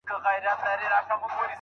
نو نه دې هېرېږي.